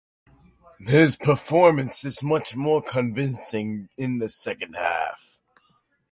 His performance is much more convincing in the second half.